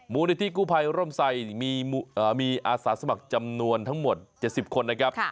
มูลนิธิกู้ภัยร่มใส่มีอาสาสมัครจำนวนทั้งหมด๗๐คนนะครับ